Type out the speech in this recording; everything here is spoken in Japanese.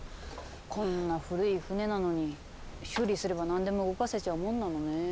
こんな古い船なのに修理すれば何でも動かせちゃうもんなのねぇ。